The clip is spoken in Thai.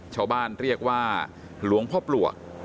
ชาวบ้านเรียกว่าหลวงพ่อปลวก